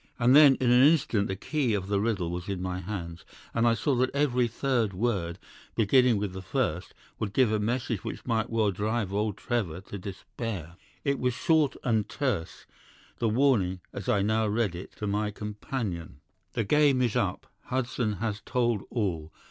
And then in an instant the key of the riddle was in my hands, and I saw that every third word, beginning with the first, would give a message which might well drive old Trevor to despair. "It was short and terse, the warning, as I now read it to my companion: "'The game is up. Hudson has told all.